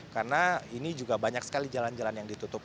karena ini juga banyak sekali jalan jalan yang ditutup